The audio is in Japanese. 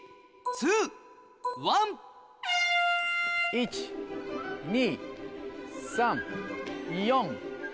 １・２３・４・５。